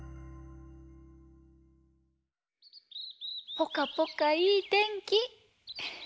ぽかぽかいいてんき。